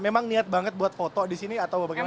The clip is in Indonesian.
memang niat banget buat foto di sini atau bagaimana